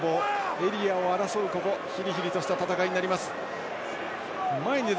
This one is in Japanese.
エリアを争う、ここひりひりとした戦いになります。